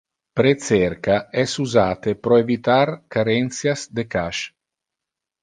Pre-cerca es usate pro evitar carentias de cache.